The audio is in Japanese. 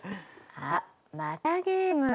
あっまたゲーム。